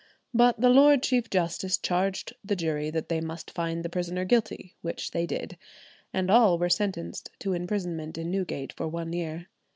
But the Lord Chief Justice charged the jury that they must find the prisoners guilty, which they did, and all were sentenced to imprisonment in Newgate for one year.